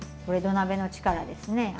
これ土鍋の力ですね